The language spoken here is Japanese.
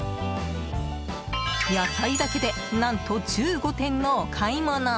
野菜だけで何と１５点のお買い物。